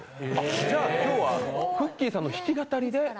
じゃあ、今日はくっきー！さんの弾き語りで。